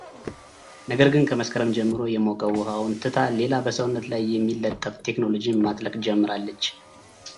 ነገር ግን ከመስከረም ጀምሮ የሞቀ ውሃውን ትታ ሌላ በሰውነት ላይ የሚለጠፍ ቴክኖሎጂን ማጥለቅ ጀምራለች።